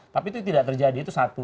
tapi itu tidak terjadi itu satu